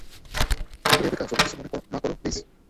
Rebecca, যদি কিছু মনে না করো, প্লিজ?